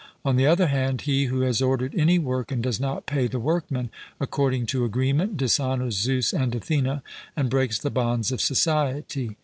On the other hand, he who has ordered any work and does not pay the workman according to agreement, dishonours Zeus and Athene, and breaks the bonds of society.